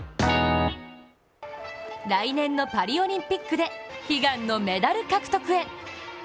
来年のパリオリンピックで悲願のメダル獲得へ。